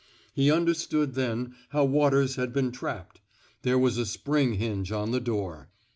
He understood, then, how Waters had been trapped; there was a spring hinge on the door.